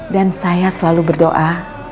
dan saya selalu berdoa